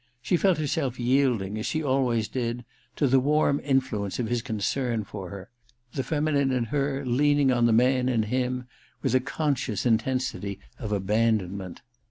She felt herself yielding, as she always did, to the warm influence of his concern for her, the feminine in her lean in? on the man in him with a conscious intensity of abandonment.